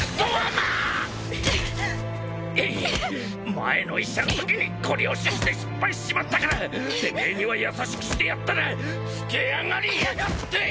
前の医者んときにごり押しして失敗しちまったからてめえには優しくしてやったらつけ上がりやがって！